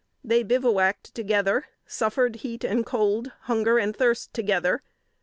They bivouacked together; suffered heat and cold, hunger and thirst, together.